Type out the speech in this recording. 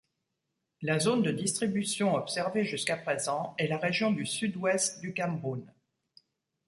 La zone de distribution observée jusqu’à présent est la région du Sud-Ouest du Cameroun.